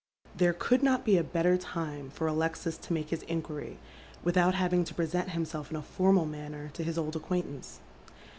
There could not be a better time for Alexis to make his inquiry without having to present himself in a formal manner to his ol4 acqaaintance.